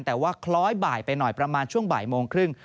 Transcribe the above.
แต่ว่าคล้อยบ่ายไปหน่อยประมาณช่วงบ่ายโมงครึ่ง